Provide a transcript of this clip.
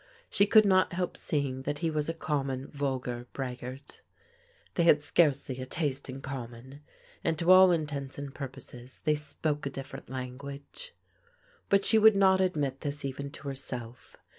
She could not help seeing that he was a common, vulgar braggart. They had scarcely a taste in common, and to all intents and purposes, they spoke a diflferent lan guage. But she would not admit this even to herself.